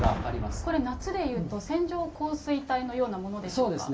これ、夏でいうと、線状降水帯のようなものでしょうか。